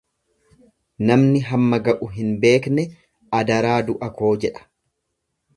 Namni hamma ga'u hin beekne adaraa du'a koo jedha.